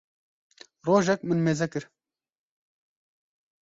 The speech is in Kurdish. rojek min mêze kir